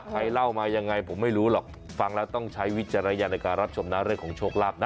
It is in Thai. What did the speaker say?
ใครเล่ามายังไงผมไม่รู้หรอกฟังแล้วต้องใช้วิจาระยะในการรับชมน้ำเลขของโชครับนะ